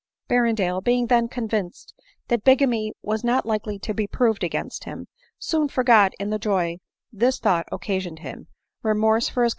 ^ Berrendale, being then convinced that bigamy was not likely to be prove! against him, soon forgot, in the joy which this thought, occasioned him, remorse for his v